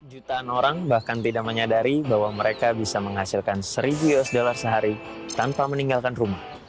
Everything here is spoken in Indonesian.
jutaan orang bahkan tidak menyadari bahwa mereka bisa menghasilkan seribu usd sehari tanpa meninggalkan rumah